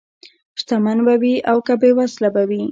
شتمن به وي او که بېوزله به وي.